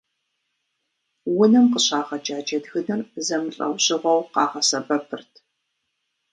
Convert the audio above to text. Унэм къыщагъэкӏа джэдгыныр зэмылӏэужьыгъуэу къагъэсэбэпырт.